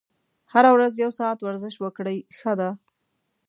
هره ورځ یو ساعت ورزش وکړئ ښه ده.